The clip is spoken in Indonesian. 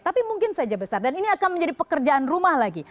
tapi mungkin saja besar dan ini akan menjadi pekerjaan rumah lagi